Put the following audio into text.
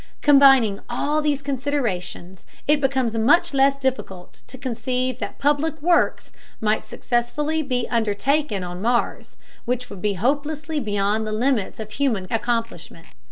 Combining all these considerations, it becomes much less difficult to conceive that public works might be successfully undertaken on Mars which would be hopelessly beyond the limits of human accomplishment.